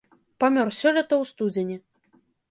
Памёр сёлета ў студзені.